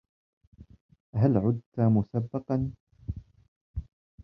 هل عدت مسبقا؟